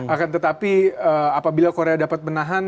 akan tetapi apabila korea dapat menahan